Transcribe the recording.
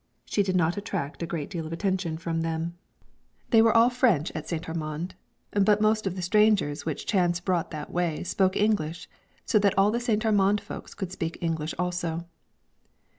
She did not attract a great deal of attention from them. They were all French at St. Armand, but most of the strangers which chance brought that way spoke English, so that the St. Armand folks could speak English also.